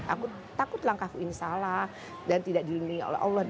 aku takut langkahku ini salah dan tidak dilindungi oleh allah